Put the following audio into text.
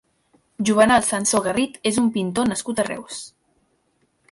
Juvenal Sansó Garrit és un pintor nascut a Reus.